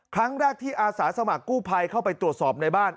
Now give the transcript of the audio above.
ครั้งแรกที่อาสาสมัครกู้ภัยเข้าไปตรวจสอบในบ้าน